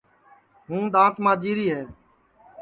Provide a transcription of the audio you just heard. ہوں دؔات ماجی ری ہے